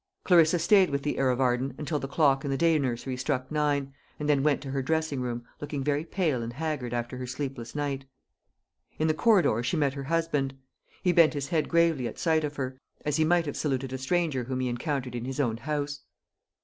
Clarissa stayed with the heir of Arden until the clock in the day nursery struck nine, and then went to her dressing room, looking very pale and haggard after her sleepless night. In the corridor she met her husband. He bent his head gravely at sight of her, as he might have saluted a stranger whom he encountered in his own house.